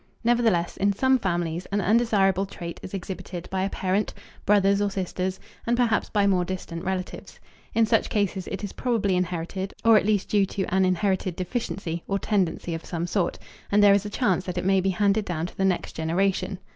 Nevertheless, in some families an undesirable trait is exhibited by a parent, brothers or sisters, and perhaps by more distant relatives. In such cases, it is probably inherited, or at least due to an inherited deficiency or tendency of some sort, and there is a chance that it may be handed down to the next generation.